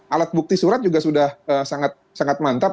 alat bukti surat juga sudah sangat mantap